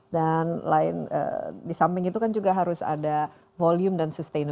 lain di samping itu kan juga harus ada volume dan sustainab